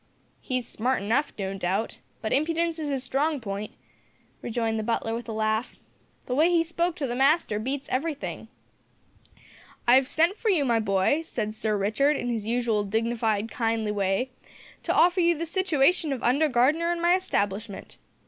"He's smart enough, no doubt, but impudence is his strong point," rejoined the butler with a laugh. The way he spoke to the master beats everything. "`I've sent for you, my boy,' said Sir Richard, in his usual dignified, kindly way, `to offer you the situation of under gardener in my establishment.'"